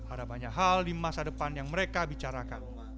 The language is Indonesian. ada banyak hal di masa depan yang mereka bicarakan